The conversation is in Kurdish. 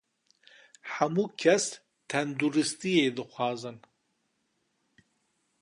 Hemû kes tenduristiyê dixwazin.